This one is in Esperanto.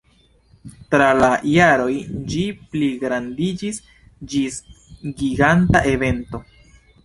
Tra la jaroj ĝi pligrandiĝis ĝis giganta evento.